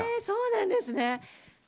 そうなんですね。